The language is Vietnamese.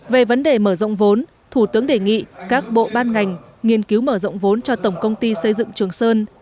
về vấn đề mở rộng vốn thủ tướng đề nghị các bộ ban ngành nghiên cứu mở rộng vốn cho tổng công ty xây dựng trường sơn